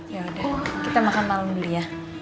ya udah kita makan malam dulu ya